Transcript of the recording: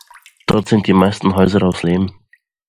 Dort sind die meisten Häuser aus Lehm.